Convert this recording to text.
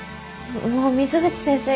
もう水口先生